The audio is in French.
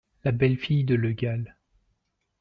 La belle-fille de Le Gall.